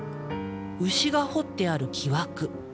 牛が彫ってある木枠。